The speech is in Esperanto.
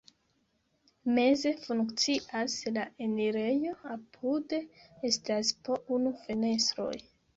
Meze funkcias la enirejo, apude estas po unu fenestroj.